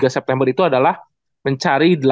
september itu adalah mencari